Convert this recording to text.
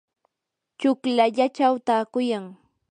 chuklallachaw taakuyan.